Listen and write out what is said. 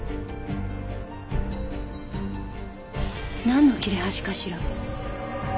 なんの切れ端かしら？